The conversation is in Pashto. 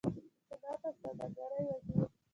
د صنعت او سوداګرۍ وزير